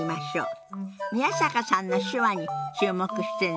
宮坂さんの手話に注目してね。